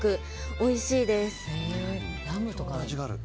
おいしいです。